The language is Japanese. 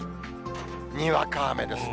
にわか雨ですね。